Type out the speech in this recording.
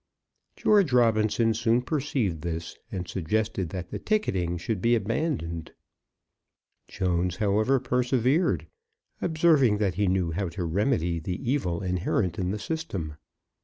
George Robinson soon perceived this, and suggested that the ticketing should be abandoned. Jones, however, persevered, observing that he knew how to remedy the evil inherent in the system.